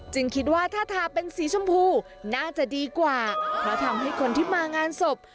คิดว่าถ้าทาเป็นสีชมพูน่าจะดีกว่าเพราะทำให้คนที่มางานศพ